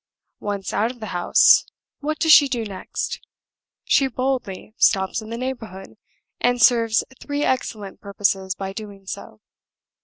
Once out of the house, what does she do next? She boldly stops in the neighborhood, and serves three excellent purposes by doing so.